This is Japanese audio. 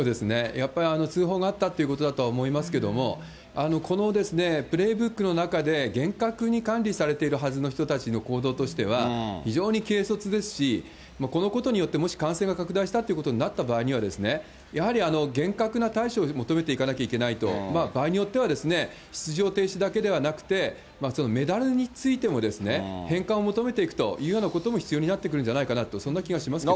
やっぱり通報があったということだと思いますけれども、このプレーブックの中で、厳格に管理されているはずの人たちの行動としては、非常に軽率ですし、このことによってもし感染が拡大したということになった場合には、やはり厳格な対処を求めていかなきゃいけないと、場合によっては、出場停止だけではなくて、メダルについても返還を求めていくというようなことも必要になってくるんじゃないかなと、そんな気がしますけどね。